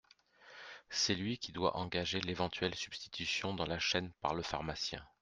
C’est lui qui doit engager l’éventuelle substitution dans la chaîne par le pharmacien.